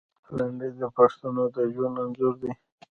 لنډۍ د پښتنو د ژوند انځور دی.